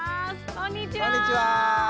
こんにちは。